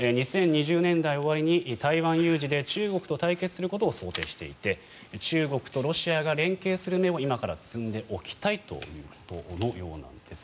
２０２０年代終わりに台湾有事で中国と対決することを想定していて中国とロシアが連携する芽を今から摘んでおきたいということのようなんです。